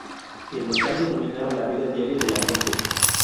El Metal dominaba la vida diaria de la gente.